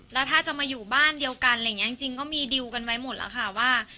แล้วถ้าจะมาอยู่บ้านเดียวกันอะไรอย่างนี้จริงก็มีดิวกันไว้หมดแล้วค่ะว่า